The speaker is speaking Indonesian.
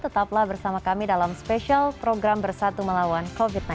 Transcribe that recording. tetaplah bersama kami dalam spesial program bersatu melawan covid sembilan belas